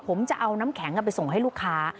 ผมจะเอาน้ำแข็งไปส่งให้ลูกค้า